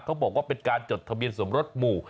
เขาบอกว่าเป็นการจดทะเบียนสมรสหมู่